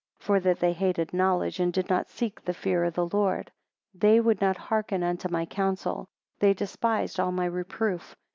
For that they hated knowledge, and did not seek the fear of the Lord. 23 They would not hearken unto my counsel: they despised all my reproof.